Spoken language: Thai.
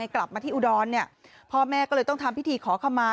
ให้กลับมาที่อุดรนเนี่ยพอแม่ก็เลยต้องทำพิธีขอคำมา